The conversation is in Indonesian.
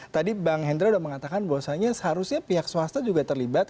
tadi bang hendra sudah mengatakan bahwasannya seharusnya pihak swasta juga terlibat